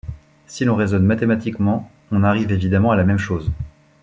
Si l'on raisonne mathématiquement, on arrive évidemment à la même chose.